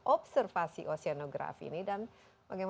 ekspedisi indonesia prima